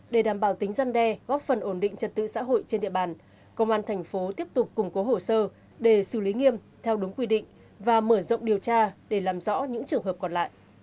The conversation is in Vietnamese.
để đảm bảo tính dân đe góp phần ổn định trật tự xã hội trên địa bàn công an thành phố tiếp tục củng cố hồ sơ để xử lý nghiêm theo đúng quy định và mở rộng điều tra để làm rõ những trường hợp còn lại